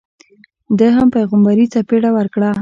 ده هم پیغمبري څپېړه ورکړه.